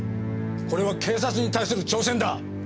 これは警察に対する挑戦だ。